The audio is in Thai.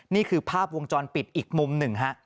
นี่คือภาพวงจรปิดอีกมุมหนึ่งฮะ